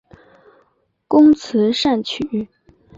工词善曲。